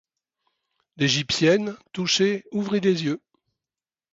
L'égyptienne touchée ouvrit les yeux.